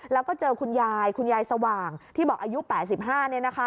แล้วก็เจอคุณยายคุณยายสว่างที่บอกอายุ๘๕เนี่ยนะคะ